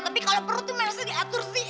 tapi kalau perut tuh mana sih diatur sih